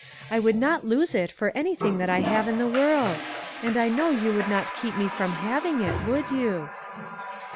I would not lose it for anything that I have in the world; and I know you would not keep me from hav ing it, would you